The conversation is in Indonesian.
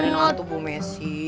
biarin waktu bu messi